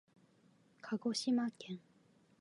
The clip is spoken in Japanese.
かごしまけん